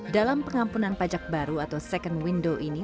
dalam pengampunan pajak baru atau second window ini